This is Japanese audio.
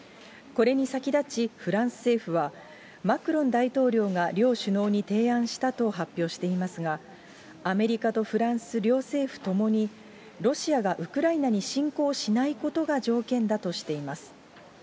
これに先立ち、フランス政府は、マクロン大統領が両首脳に提案したと発表していますが、アメリカとフランス両政府ともに、ロシアがウクライナに侵攻しないことが条件だとしています。